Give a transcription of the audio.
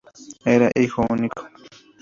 Era hijo único.